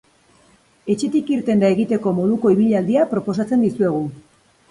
Etxetik irtenda egiteko moduko ibilaldia proposatzen dizuegu.